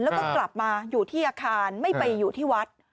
แล้วก็กลับมาอยู่ที่อาคารไม่ไปอยู่ที่วัด